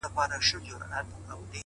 زه وایم ما به واخلي! ما به يوسي له نړيه!